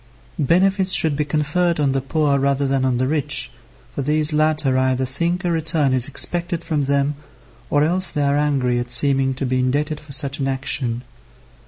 Benefits should be conferred on the poor rather than on the rich, for these latter either think a return is expected from them, or else they are angry at seeming to be indebted for such an action.